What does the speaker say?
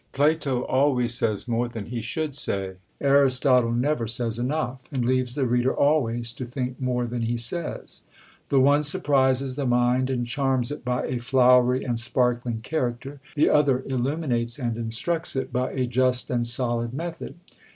Plato always says more than he should say: Aristotle never says enough, and leaves the reader always to think more than he says. The one surprises the mind, and charms it by a flowery and sparkling character: the other illuminates and instructs it by a just and solid method.